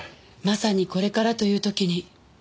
まさにこれからというときに。